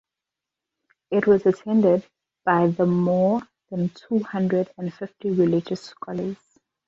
It was attended by the more than two hundred and fifty religious scholars.